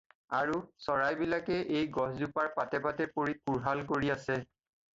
আৰু চৰাইবিলাকে এই গছজোপাৰ পাতে পাতে পৰি কোঢ়াল কৰি আছে।